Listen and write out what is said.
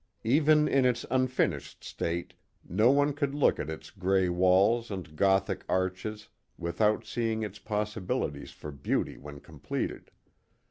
Even in its unfinished state, no one could look at its gray walls and Gothic arches without seeing its possibilities for beauty when completed.